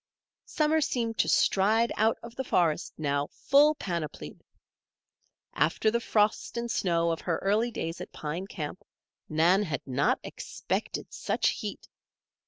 Summer seemed to stride out of the forest now, full panoplied. After the frost and snow of her early days at Pine Camp, Nan had not expected such heat.